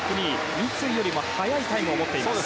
三井よりも速いタイムを持っています。